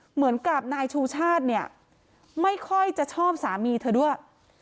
เหมือนกับนายชูชาติเนี่ยไม่ค่อยจะชอบสามีเธอด้วย